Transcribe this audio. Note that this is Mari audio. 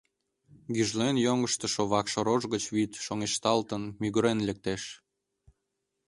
Гӱжлен йоҥыштышо вакш рож гыч вӱд шоҥешталтын, мӱгырен лектеш.